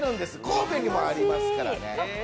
神戸にもありますからね。